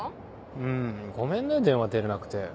うんごめんね電話出れなくて。